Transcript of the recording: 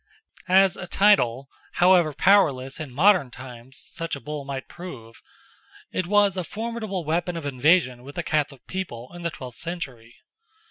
As a title, however powerless in modern times such a Bull might prove, it was a formidable weapon of invasion with a Catholic people, in the twelfth century.